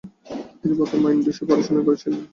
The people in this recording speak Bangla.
তিনি প্রথমে আইন বিষয়ে পড়াশোনা করেছিলেন।